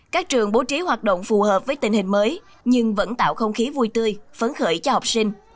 các trường bố trí hoạt động phù hợp với tình hình mới nhưng vẫn tạo không khí vui tươi phấn khởi cho học sinh